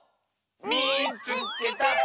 「みいつけた！」。